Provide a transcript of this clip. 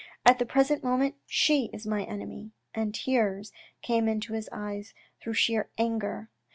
At the present moment she is my enemy," and tears came into his eyes through sheer anger.